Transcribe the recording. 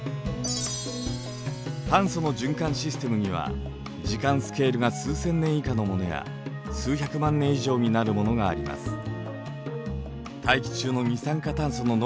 炭素の循環システムには時間スケールが数千年以下のものや数百万年以上になるものがあります。